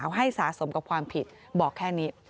ไปกับลูกสาวให้สะสมกับความผิดบอกแค่นี้